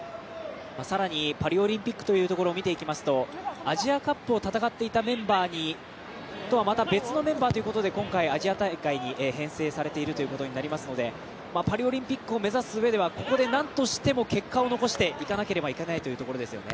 更にパリオリンピックというところを見ていきますとアジアカップを戦っていたメンバーとはまた別のメンバーということで今回、アジア大会に編成されているということになりますのでパリオリンピックを目指すうえでは、ここでなんとしてでも結果を残していかなければいけないというところですよね。